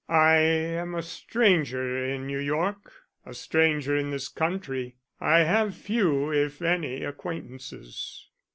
"I am a stranger in New York; a stranger in this country. I have few, if any, acquaintances."